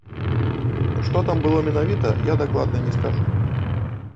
Што там было менавіта, я дакладна не скажу.